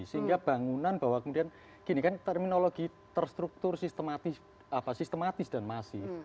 sehingga bangunan bahwa kemudian gini kan terminologi terstruktur sistematis dan masif